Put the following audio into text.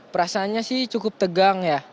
perasaannya sih cukup tegang ya